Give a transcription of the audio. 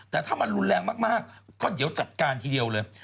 แต่ถ้ามันรุนแรงมากก็เดี๋ยวจัดการทีเดียวเลย